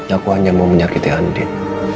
aku hanya mau menyakiti andin